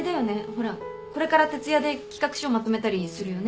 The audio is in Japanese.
ほらこれから徹夜で企画書まとめたりするよね？